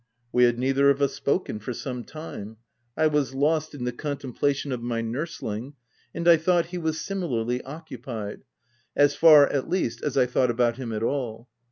We had neither of us spoken for some time : I was lost in the contemplation of my nursling, and I thought he was similarly occupied — as far, at least, as I thought about him at all.